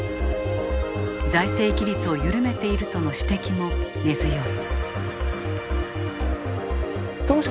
財政規律を緩めているとの指摘も根強い。